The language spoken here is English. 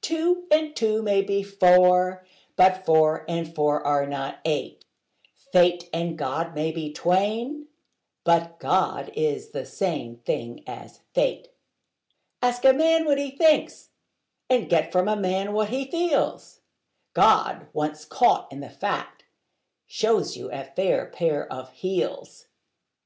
Two and two may be four: but four and four are not eight: Fate and God may be twain: but God is the same thing as fate. Ask a man what he thinks, and get from a man what he feels: God, once caught in the fact, shows you a fair pair of heels.